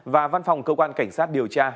và văn phòng cơ quan cảnh sát điều tra